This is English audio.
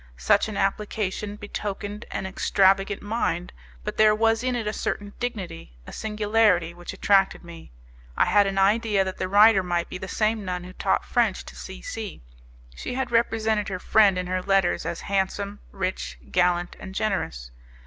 Such an application betokened an extravagant mind, but there was in it a certain dignity, a singularity, which attracted me. I had an idea that the writer might be the same nun who taught French to C C . She had represented her friend in her letters as handsome, rich, gallant, and generous.